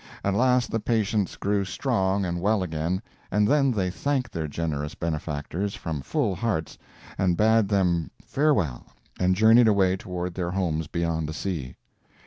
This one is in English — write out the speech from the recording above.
At last the patients grew strong and well again, and then they thanked their generous benefactors from full hearts, and bade them farewell and journeyed away toward their homes beyond the sea.